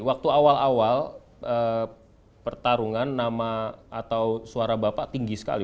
waktu awal awal pertarungan nama atau suara bapak tinggi sekali